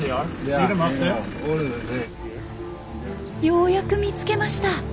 ようやく見つけました。